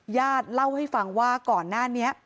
ญาติเล่าให้ฟังว่าก่อนหน้านี้